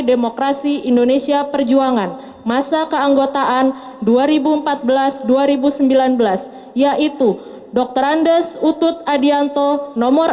demokrasi indonesia perjuangan masa keanggotaan dua ribu empat belas dua ribu sembilan belas yaitu dokter andes utut adianto nomor